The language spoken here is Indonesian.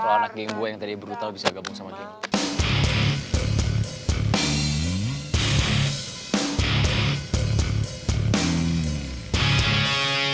kalau anak ging gue yang tadi brutal bisa gabung sama ging